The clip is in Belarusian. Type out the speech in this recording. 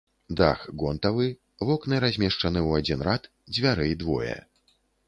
Дах гонтавы, вокны размешчаны ў адзін рад, дзвярэй двое.